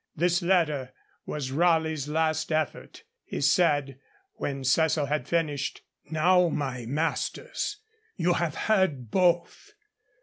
This letter was Raleigh's last effort. He said, when Cecil had finished, 'Now, my masters, you have heard both.